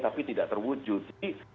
tapi tidak terwujud